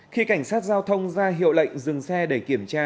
khi cảnh sát giao thông ra hiệu lệnh dừng xe để kiểm tra